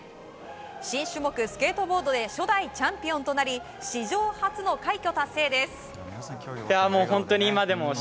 新種目、スケートボードで初代チャンピオンとなり史上初の快挙達成です。